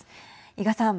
伊賀さん。